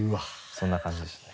そんな感じでしたね。